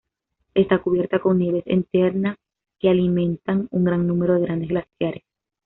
Está cubierta con nieves eternas, que alimentan un gran número de grandes glaciares.